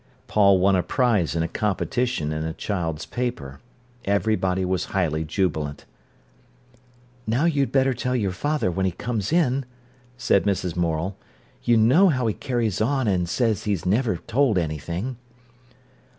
Paul won a prize in a competition in a child's paper. Everybody was highly jubilant. "Now you'd better tell your father when he comes in," said Mrs. Morel. "You know how he carries on and says he's never told anything."